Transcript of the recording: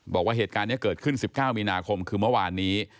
บอกว่าเหตุการณ์นี้เกิดขึ้น๑๙มีนาคมคือเมื่อวานนี้